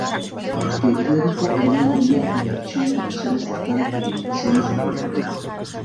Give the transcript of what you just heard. Periódico El Nuevo Día y archivo Comisión Estatal de Elecciones de Puerto Rico.